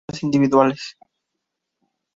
Ambas muestras individuales.